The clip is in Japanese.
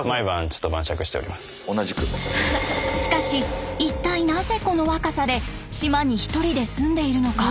しかし一体なぜこの若さで島に１人で住んでいるのか。